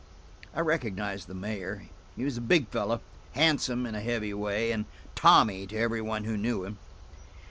I recognized the mayor. He was a big fellow, handsome in a heavy way, and "Tommy" to every one who knew him.